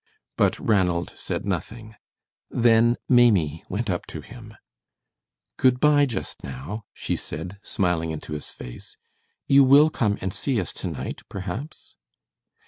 But Ranald said nothing. Then Maimie went up to him. "Good by, just now," she said, smiling into his face. "You will come and see us to night, perhaps?"